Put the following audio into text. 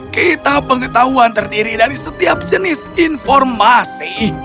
kita pengetahuan terdiri dari setiap jenis informasi